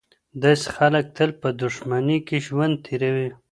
داسې خلګ تل په دښمنۍ کي ژوند تېروي.